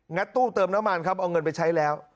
ตู้เติมน้ำมันครับเอาเงินไปใช้แล้ว